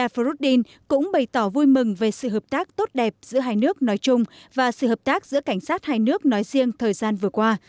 froudin cũng bày tỏ vui mừng về sự hợp tác tốt đẹp giữa hai nước nói chung và sự hợp tác giữa cảnh sát hai nước nói riêng thời gian vừa qua